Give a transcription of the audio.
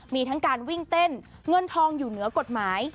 มีทั้งการวิ่งเต้นเงินทองอยู่เหนือกฎหมาย